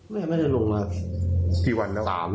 แม่ไม่ได้ลงมากี่วันแล้ว